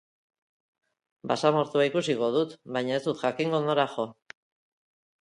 Basamortua ikusiko dut baina ez dut jakingo nora jo.